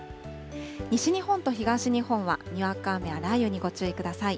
西日本と東日本はにわか雨や雷雨にご注意ください。